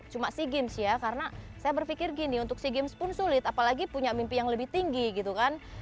cuma sea games ya karena saya berpikir gini untuk sea games pun sulit apalagi punya mimpi yang lebih tinggi gitu kan